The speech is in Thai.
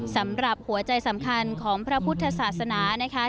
สำหรับหัวใจสำคัญของพระพุทธศาสนานะคะ